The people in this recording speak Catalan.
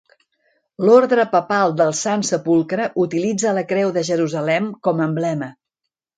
L'Ordre papal del Sant Sepulcre utilitza la creu de Jerusalem com a emblema.